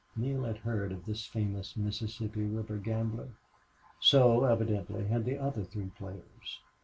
Neale had heard of this famous Mississippi River gambler. So, evidently, had the other three players.